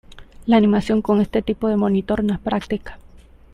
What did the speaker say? La animación con este tipo de monitor no es práctica.